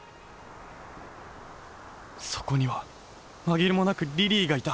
そこにはまぎれもなくリリーがいた。